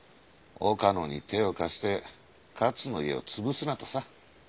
岡野に手を貸して勝の家を潰すなとさ。